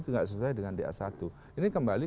tidak sesuai dengan di a satu ini kembali